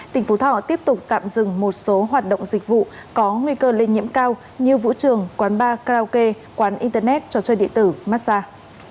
tỉnh phú thọ tiếp tục tạm dừng một số hoạt động dịch vụ có nguy cơ lây nhiễm cao như vũ trường quán bar karaoke quán internet trò chơi địa tử massage